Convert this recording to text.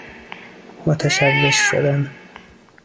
متشوش شدن